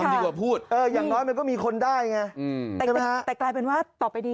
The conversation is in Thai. ฮ่าทำดีกว่าพูด